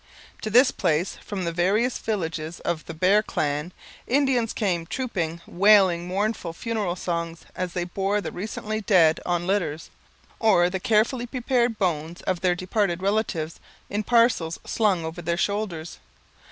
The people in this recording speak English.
To this place, from the various villages of the Bear clan, Indians came trooping, wailing mournful funeral songs as they bore the recently dead on litters, or the carefully prepared bones of their departed relatives in parcels slung over their shoulders.